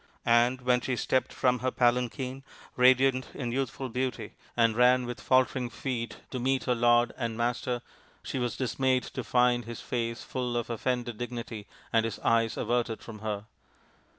And when she stepped from her palanquin, radiant in youthful beauty, and ran with faltering feet to meet her lord and master, she was dismayed to find his face full of offended dignity and his eyes averted from her.